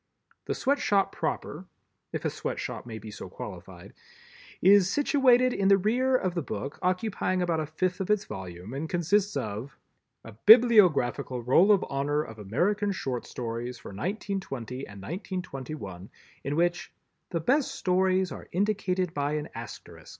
The Sweatshop proper—if a Sweatshop may be so qualified—is situated in the rear of the book, occupying about a fifth of its volume, and consists of: A Bibliographical Roll of Honor of American Short Stories for 1920 and 1921 in which "the best stories are indicated by an Asterisk."